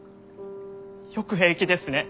よく平気ですね。